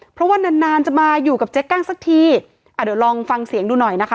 เพราะว่านานนานจะมาอยู่กับเจ๊กั้งสักทีอ่ะเดี๋ยวลองฟังเสียงดูหน่อยนะคะ